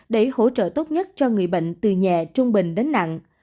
để hỗ trợ tốt nhất cho người bệnh từ nhẹ trung bình đến nặng